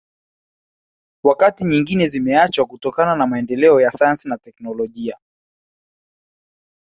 Wakati nyingine zimeachwa kutokana na maendeleo ya sayansi na teknolojia